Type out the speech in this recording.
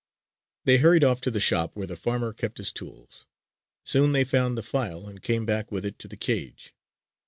They hurried off to the shop where the farmer kept his tools. Soon they found the file and came back with it to the cage.